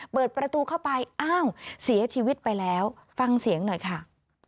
เปิดประตูเข้าไปอ้าวเสียชีวิตไปแล้วฟังเสียงหน่อยค่ะ